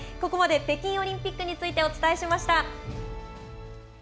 ここまで北京オリンピックについてお伝えしました。